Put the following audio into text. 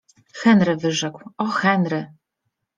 - Henry - wyrzekł - o, Henry!